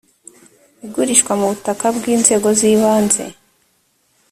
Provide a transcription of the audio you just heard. igurishwa ry ubutaka bw inzego z ibanze